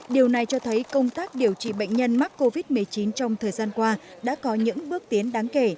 điều này cho thấy công tác điều trị bệnh nhân mắc covid một mươi chín trong thời gian qua đã có những bước tiến đáng kể